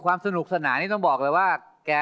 ความสนุกสนานนี่ต้องบอกเลยว่า